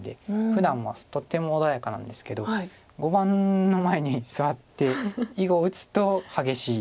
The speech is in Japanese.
ふだんはとっても穏やかなんですけど碁盤の前に座って囲碁を打つと激しい。